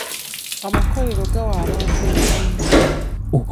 Amakolero gawa abantu emirimu.